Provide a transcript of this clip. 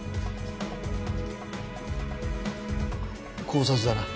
絞殺だな。